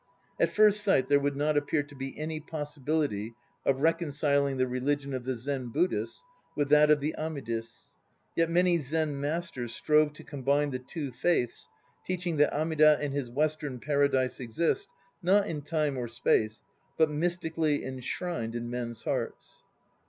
At first sight there would not appear to be any possibility of recon ciling the religion of the Zen Buddhists with that of the Amidists. Yet many Zen masters strove to combine the two faiths, teaching that Amida and his Western Paradise exist, not in time or space, but mystically enshrined in men's hearts.